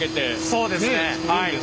そうですね。